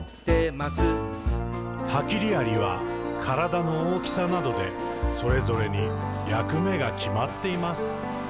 「ハキリアリはからだの大きさなどでそれぞれにやくめがきまっています。」